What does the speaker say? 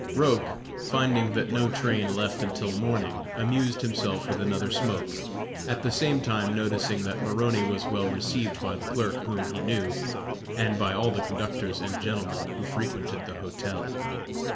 Roch, finding that no train left until morning, amused himself with another smoke, at the same time noticing that Maroney was well received by the clerk, whom he knew, and by all the conductors and gentlemen who frequented the hotel.